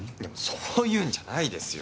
そういうんじゃないですよ。